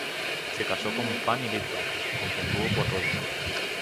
Se casó con Fanny Litvak, con quien tuvo cuatro hijos.